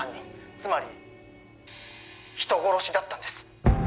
つまり人殺しだったんです